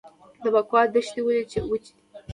د بکوا دښتې ولې وچې دي؟